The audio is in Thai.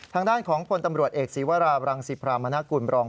ทางด้านของพลตำรวจเอกศีวราบรังสิพรามณกุลบรอง